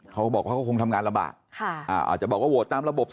เขาก็บอกว่าก็คงทำงานระบะ